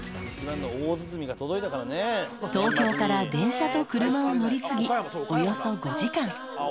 東京から電車と車を乗り継ぎおよそ５時間。